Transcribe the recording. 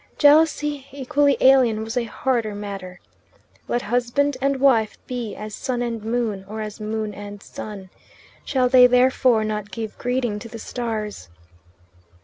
Jealousy, equally alien, was a harder matter. Let husband and wife be as sun and moon, or as moon and sun. Shall they therefore not give greeting to the stars?